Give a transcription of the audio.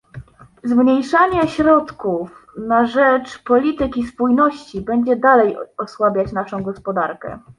Zmniejszanie środków na rzecz polityki spójności będzie dalej osłabiać naszą gospodarkę